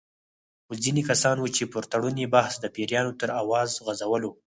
خو ځینې کسان وو چې پر تړون یې بحث د پیریانو تر اوازو غـځولو.